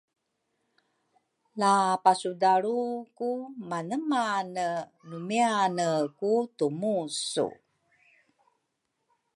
La pasudalru ku manemane numiane ku tumu su?